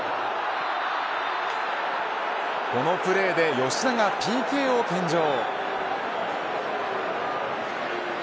このプレーで吉田がＰＫを献上。